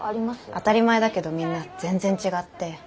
当たり前だけどみんな全然違って。